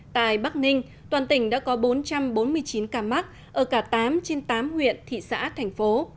tại bắc ninh toàn tỉnh đã có bốn trăm bốn mươi chín ca mắc ở cả tám trên tám huyện thị xã thành phố